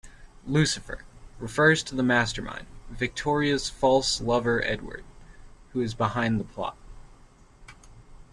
"Lucifer" refers to the mastermind, Victoria's false lover Edward, who is behind the plot.